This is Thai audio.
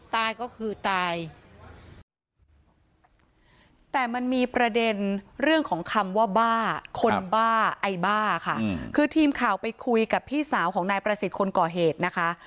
ตายก็คือตายแต่มันมีประเด็นเรื่องของคำว่าบ้าคนบ้าไอ้บ้าค่ะคือทีมข่าวไปคุยกับพี่สาวของนายประสิทธิ์คนก่อเหตุนะคะ